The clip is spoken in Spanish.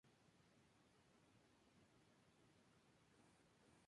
Su trayectoria profesional se ha desarrollado como asesor fiscal con despacho propio.